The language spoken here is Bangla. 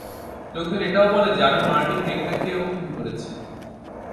লোকজন এটাও বলে যে, আমি মার্টিন মেক্রেকেও খুন করছি।